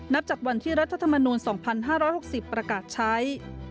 จากวันที่รัฐธรรมนูล๒๕๖๐ประกาศใช้